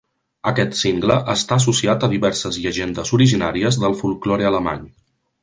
Aquest cingle està associat a diverses llegendes originàries del folklore alemany.